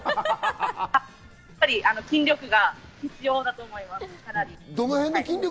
やっぱり筋力が必要だと思います。